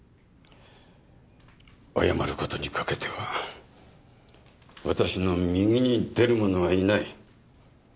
謝る事にかけては私の右に出る者はいない。